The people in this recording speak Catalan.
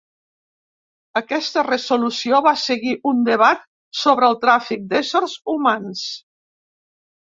Aquesta resolució va seguir un debat sobre el tràfic d'éssers humans.